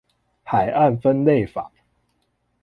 海岸分類法